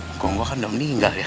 ngkong gua kan udah meninggal ya